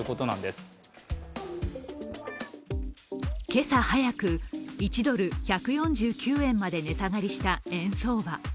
今朝早く、１ドル＝１４９円まで値下がりした円相場。